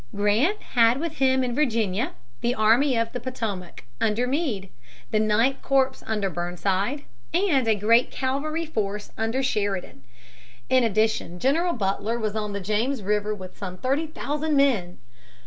Grant had with him in Virginia the Army of the Potomac under Meade, the Ninth Corps under Burnside, and a great cavalry force under Sheridan. In addition General Butler was on the James River with some thirty thousand men.